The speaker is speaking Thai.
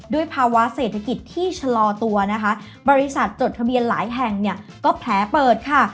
ภาวะเศรษฐกิจที่ชะลอตัวนะคะบริษัทจดทะเบียนหลายแห่งเนี่ยก็แผลเปิดค่ะ